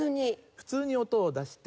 普通に音を出して。